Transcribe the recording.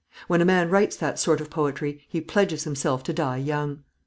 When a man writes that sort of poetry he pledges himself to die young.